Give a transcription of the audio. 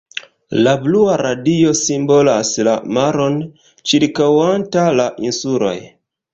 La blua radio simbolas la maron ĉirkaŭanta la insuloj.